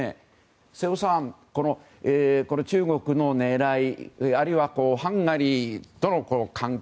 瀬尾さん、中国の狙いあるいはハンガリーとの関係